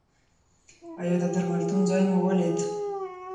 ایا د درملتون ځای مو ولید؟